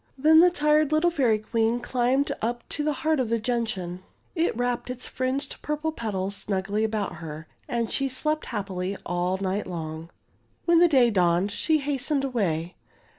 Then the tired little Fairy Queen climbed up to the heart of the gentian. It wrapped its fringed purple petals snugly about her, and she slept happily all night long. When the day dawned she hastened away.